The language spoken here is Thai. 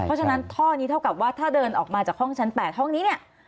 เพราะฉะนั้นท่อนี้เท่ากับว่าถ้าเดินออกมาจากห้องชั้น๘ห้องนี้เนี่ย